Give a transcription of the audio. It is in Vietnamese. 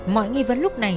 mọi nghi vấn lúc này